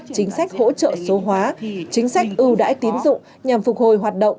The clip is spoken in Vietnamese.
chính sách hỗ trợ số hóa chính sách ưu đãi tín dụng nhằm phục hồi hoạt động